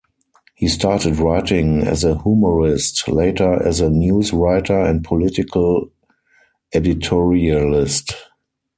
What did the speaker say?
He started writing as a humourist, later as a news writer and political editorialist.